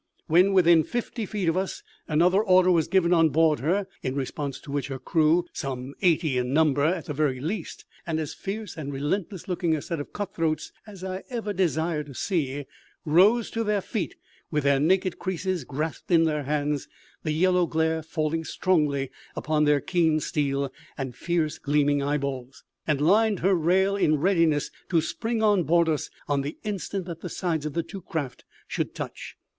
When within fifty feet of us another order was given on board her, in response to which her crew some eighty in number, at the very least, and as fierce and relentless looking a set of cut throats as I ever desire to see rose to their feet, with their naked creeses grasped in their hands the yellow glare falling strongly upon their keen steel and fierce gleaming eyeballs and lined her rail in readiness to spring on board us on the instant that the sides of the two craft should touch.